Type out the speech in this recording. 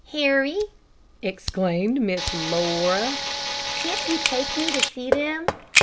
"Harry," exclaimed Miss Laura, "can't you take me to see them?"